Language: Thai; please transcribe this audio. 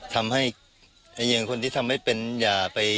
ทำให้อย่างคนที่ทำให้เป็นอย่าไป